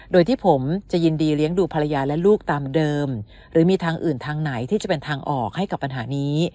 โดยที่ผมจะยินดีเลี้ยงดูภรรยาและลูกตามเดิมหรือมีทางอื่นทางไหนที่จะเป็นทางออกให้กับปัญหานี้